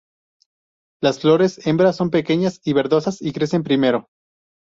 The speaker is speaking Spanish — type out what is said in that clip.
Las flores hembra son pequeñas y verdosas, y crecen primero.